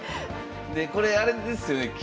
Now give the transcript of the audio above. でこれあれですよね